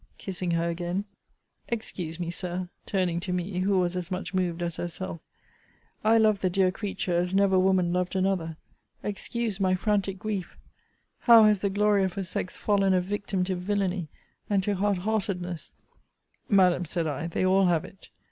kissing her again. Excuse me, Sir, [turning to me, who was as much moved as herself,] I loved the dear creature, as never woman loved another. Excuse my frantic grief. How has the glory of her sex fallen a victim to villany and to hard heartedness! Madam, said I, they all have it!